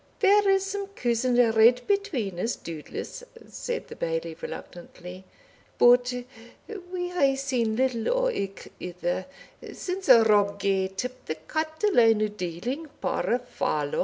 "There is some cousin red between us, doubtless," said the Bailie reluctantly; "but we hae seen little o' ilk other since Rob gae tip the cattle line o' dealing, poor fallow!